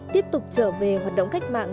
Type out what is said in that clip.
tiếp tục trở về hoạt động cách mạng